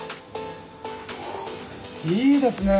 いいですね！